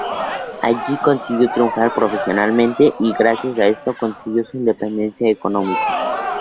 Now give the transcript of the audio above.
Allí, consiguió triunfar profesionalmente y, gracias a esto, consiguió su independencia económica.